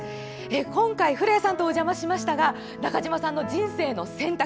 今回、古谷さんとお邪魔しましたが、中島さんの「人生の選択」